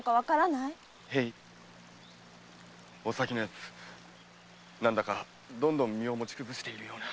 へいお咲のやつ何だかどんどん身を持ち崩しているような。